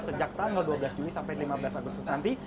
sejak tanggal dua belas juni sampai lima belas agustus nanti